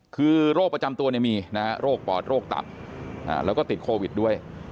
คือโรคประจำตัวมีโรคปอดโรคตับแล้วก็ติดโควิดด้วย